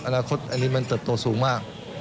อนาคตอันนี้มันเติบโตสูงมาก